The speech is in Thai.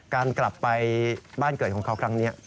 การกลับไปบ้านเกิดของเขาครั้งนี้